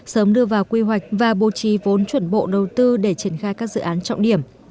sớm đưa vào quy hoạch và bố trí vốn chuẩn bộ đầu tư để triển khai các dự án trọng điểm